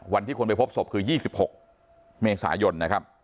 วันที่คนไปพบศพคือ๒๖เมษายน